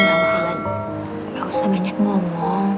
gak usah banyak ngomong